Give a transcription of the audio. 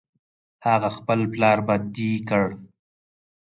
هغه خپل پلار بندي کړ.